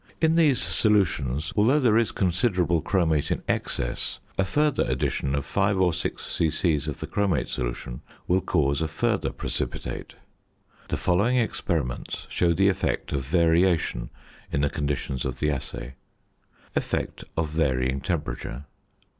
In these solutions (although there is considerable chromate in excess) a further addition of 5 or 6 c.c. of the chromate solution will cause a further precipitate. The following experiments show the effect of variation in the conditions of the assay: ~Effect of Varying Temperature.